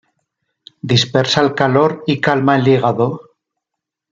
Dispersa el calor y calma el hígado.